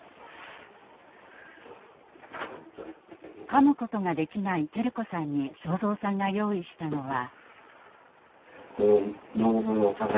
かむことができない輝子さんに昭蔵さんが用意したのは。